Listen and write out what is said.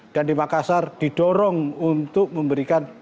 dan di makassar didorong untuk memberikan